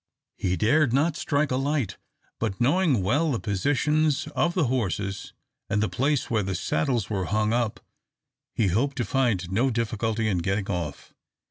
He dared not strike a light, but, knowing well the positions of the horses, and the place where the saddles were hung up, he hoped to find no difficulty in getting off.